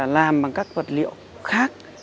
làm bằng các vật liệu khác